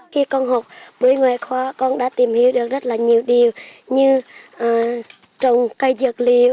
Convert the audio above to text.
khi con học với ngoại khóa con đã tìm hiểu được rất là nhiều điều như trồng cây dược liệu